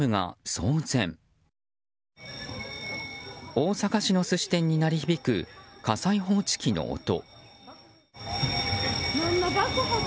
大阪市の寿司店に鳴り響く火災報知機の音。